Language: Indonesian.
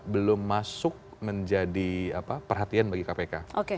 belum masuk menjadi perhatian bagi kpk